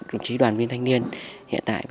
đồng chí đoàn viên thanh niên hiện tại